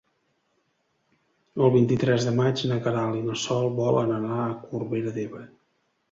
El vint-i-tres de maig na Queralt i na Sol volen anar a Corbera d'Ebre.